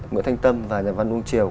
nguyễn thanh tâm và nhà văn uông triều